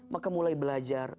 maka mulai belajar